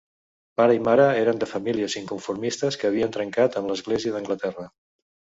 Pare i mare eren de famílies inconformistes que havien trencat amb l'Església d'Anglaterra.